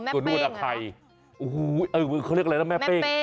ตัวนู้นอาไข่เขาเรียกอะไรนะแม่เป้ง